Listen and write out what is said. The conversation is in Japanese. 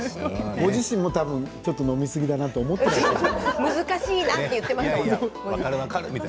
ご自身もちょっと飲み過ぎだと思っていたかもしれない。